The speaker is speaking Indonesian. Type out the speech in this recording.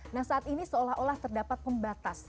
nah saat ini seolah olah terdapat pembatas